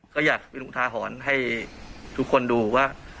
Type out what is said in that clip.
ก็อยากทาหอนให้ทุกคนดูว่า